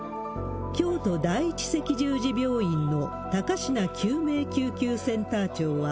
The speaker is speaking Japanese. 京都第一赤十字病院の、高階救命救急センター長は、